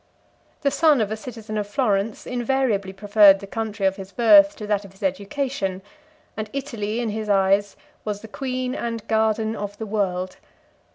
57 The son of a citizen of Florence invariably preferred the country of his birth to that of his education; and Italy, in his eyes, was the queen and garden of the world.